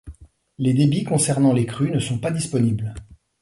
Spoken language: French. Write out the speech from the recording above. Les débits concernant les crues ne sont pas disponibles.